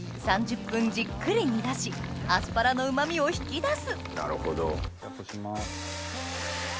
３０分じっくり煮出しアスパラのうま味を引き出すじゃあこします。